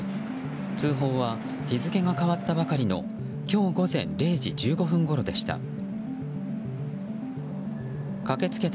通報は日付が変わったばかりの今日午前０時１５分ごろでした。